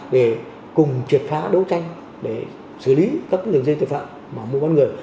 để cùng triệt phá đấu tranh để xử lý các lượng dây tội phạm mua bán người